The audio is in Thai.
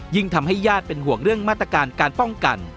ทำให้ญาติเป็นห่วงเรื่องมาตรการการป้องกัน